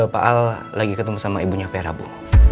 pak al lagi ketemu sama ibunya fera bu